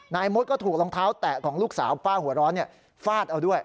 นายมดก็ถูกรองเท้าแตะของลูกสาวป้าหัวร้อนฟาดเอาด้วย